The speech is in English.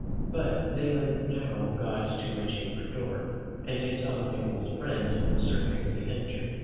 But they are now got to my chamber door, and I saw my old friend Sir Harry enter.